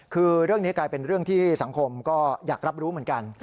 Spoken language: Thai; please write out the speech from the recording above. คือเรื่องนี้กลายเป็นเรื่องที่สังคมก็อยากรับรู้เหมือนกัน